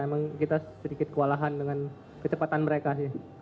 emang kita sedikit kewalahan dengan kecepatan mereka sih